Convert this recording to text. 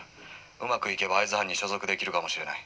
うまくいけば会津藩に所属できるかもしれない」。